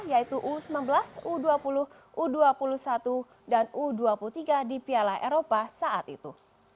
yaitu u sembilan belas u dua puluh u dua puluh satu dan u dua puluh tiga di piala eropa saat itu